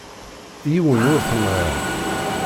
Yiwen ur t-nɣiɣ.